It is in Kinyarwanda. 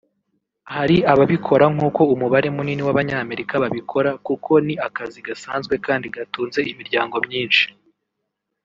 Hari ababikora nkuko umubare munini w’Abanyamerika babikora kuko ni akazi gasanzwe kandi gatunze imiryango myinshi